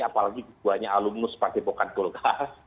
apalagi buahnya alumnus pak depokan golgah